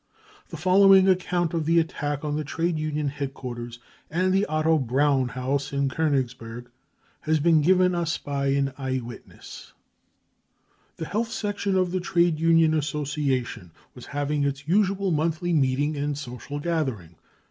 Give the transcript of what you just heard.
The following account .of the attack on the trade union headquarters and the Otto Braun House in Konigsberg has been given us by an eyewitness :*" The Health Section of the Trade Union Association was having its usual monthly meeting and social gathering.